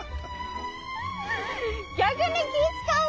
逆に気ぃ遣うわ。